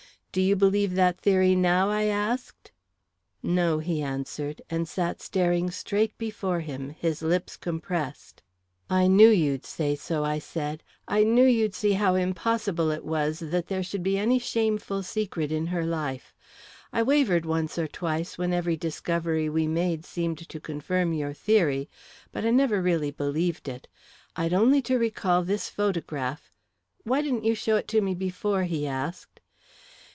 "Do you believe that theory now?" I asked. "No," he answered, and sat staring straight before him, his lips compressed. "I knew you'd say so," I said. "I knew you'd see how impossible it was that there should be any shameful secret in her life. I wavered once or twice when every discovery we made seemed to confirm your theory, but I never really believed it. I'd only to recall this photograph " "Why didn't you show it to me before?" he asked.